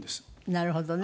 なるほどね。